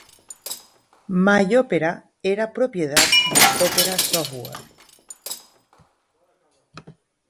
My Opera era propiedad de Opera Software.